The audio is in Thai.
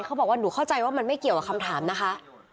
เขาบอกว่าหนูเข้าใจว่ามันไม่เกี่ยวกับคำถามนะคะ